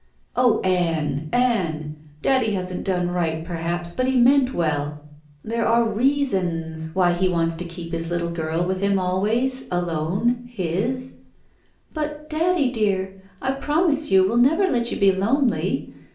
"Oh, Ann, Ann! daddy hasn't done right, perhaps, but he meant well. There are reasons why he wants to keep his little girl with him always — alone — ^his." "But, daddy dear, I promise you we'll never let you be lonely.